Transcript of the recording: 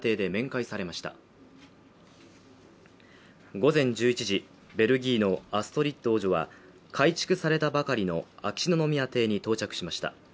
午前１１時、ベルギーのアストリッド王女は改築されたばかりの秋篠宮邸に到着しました。